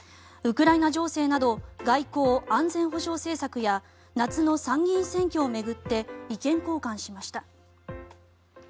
ウクライナ情勢など外交・安全保障政策や夏の参議院選挙を巡って意見交換しました。